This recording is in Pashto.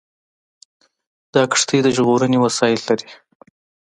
دا کښتۍ د ژغورنې وسایل لري.